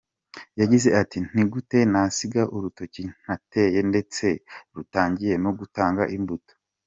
Yagize ati” Ni gute nasiga urutoki nateye ndetse rutangiye no gutanga imbuto?”.